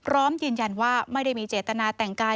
พร้อมยืนยันว่าไม่ได้มีเจตนาแต่งกาย